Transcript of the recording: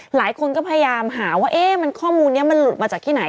หลายคนก็พยายามหาว่าข้อมูลนี้มันหลุดมาจากที่ไหน